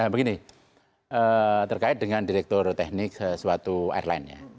begini terkait dengan direktur teknik sesuatu airline nya